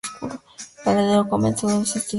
En paralelo, comenzó estudios de canto.